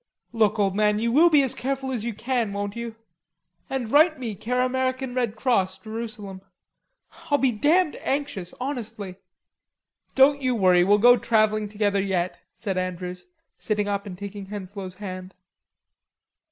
"Look, old man, you will be as careful as you can, won't you? And write me care American Red Cross, Jerusalem. I'll be damned anxious, honestly." "Don't you worry, we'll go travelling together yet," said Andrews, sitting up and taking Henslowe's hand.